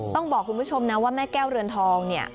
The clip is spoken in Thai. ต้องบอกคุณผู้ชมนะว่าแม่แก้วเรือนทองเนี่ย